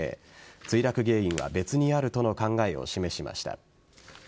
墜落原因は別にあるとの考えを示しました。